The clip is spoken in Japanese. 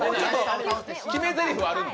決めぜりふあるんで。